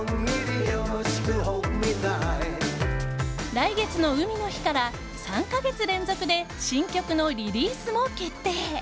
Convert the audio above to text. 来月の海の日から３か月連続で新曲のリリースも決定。